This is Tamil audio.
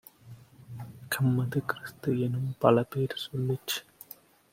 கம்மது, கிறிஸ்து-எனும் பலபேர் சொல்லிச்